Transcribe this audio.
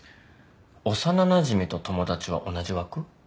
幼なじみと友達は同じ枠？